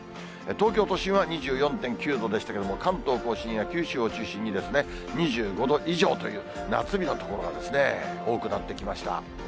東京都心は２４．９度でしたけれども、関東甲信や九州を中心にですね、２５度以上という夏日の所が多くなってきました。